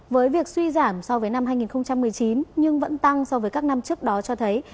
với việc suy giảm so với năm hai nghìn một mươi chín nhưng vẫn tăng so với các năm trước đó cho thấy